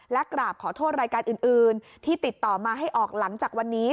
และกราบขอโทษรายการอื่นที่ติดต่อมาให้ออกหลังจากวันนี้